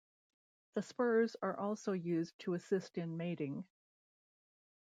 The spurs are also used to assist in mating.